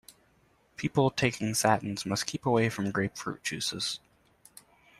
People taking statins must keep away from grapefruit juices.